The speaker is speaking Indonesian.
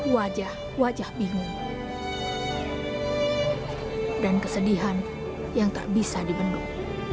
wajah wajah bingung dan kesedihan yang terbisa dibendung